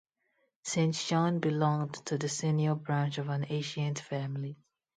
Saint John belonged to the senior branch of an ancient family.